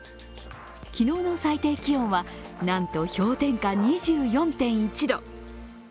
昨日の最低気温は、なんと氷点下２４．１度。